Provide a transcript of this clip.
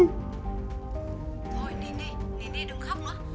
thôi đi đi đi đi đừng khóc nữa